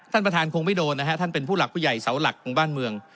ท่านประธานคงไม่โดนนะฮะท่านเป็นผู้หลักผู้ใหญ่เสาหลักของบ้านเมือง